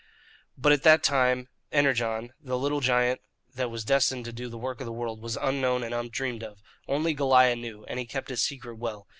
But at that time Energon, the little giant that was destined to do the work of the world, was unknown and undreamed of. Only Goliah knew, and he kept his secret well.